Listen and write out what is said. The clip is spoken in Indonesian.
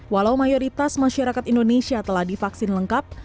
walau mayoritas masyarakat indonesia telah divaksin lengkap